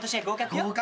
合格。